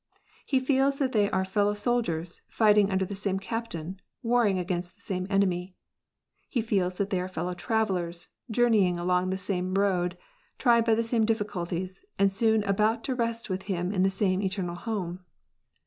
He feels that they are fellow soldiers, lighting under the same captain, warring against the same enemy. He feels that they are his fellow travellers, journeying along the same road, tried by the same difficulties, and soon about to rest with him in the same eternal home.